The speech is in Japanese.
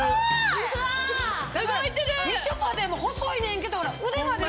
みちょぱでも細いねんけど腕まで。